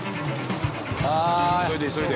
急いで急いで。